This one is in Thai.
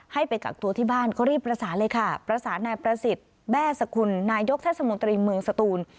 ให้ไปกักตัวที่บ้านก็รีบประสานเลยค่ะประสานนายประสิทธิ์แบ้สกุลนายกเทศมนตรีเมืองสตูน